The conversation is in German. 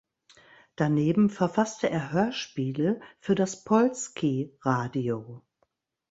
Daneben verfasste er Hörspiele für das Polskie Radio.